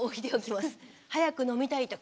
早く飲みたい時。